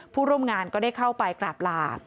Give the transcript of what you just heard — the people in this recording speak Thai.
ผู้ร่วมงานก็ได้เข้าไปกราบลา